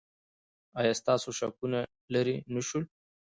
ایا ستاسو شکونه لرې نه شول؟